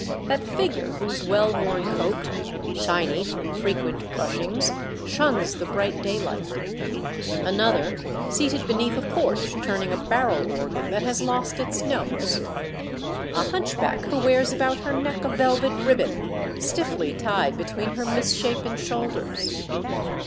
That figure whose well worn coat, shiny from frequent brushings, shuns the bright daylight ; another seated beneath a porch turning a barrel organ that has lost its notes ; a hunchback who wears about her neck a velvet ribbon, stiffly tied between her misshapen shoulders.